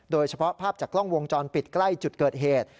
โดยเฉพาะภาพจากกล้องวงจรปิดใกล้จุดเกิดเหตุ